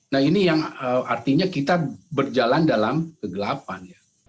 nah ini artinya kita berjalan dalam kegelapan